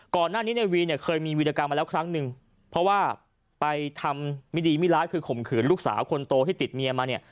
ก่อนหน้านี้ในวีเนี่ยเคยมีวีรกรรมมาแล้วครั้งหนึ่งเพราะว่าไปทำมิดีมิร้ายคือข่มขืนลูกสาวคนโตที่ติดเมียมาเนี่ย